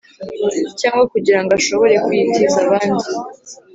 Cyangwa kugira ngo ashobore kuyitiza abandi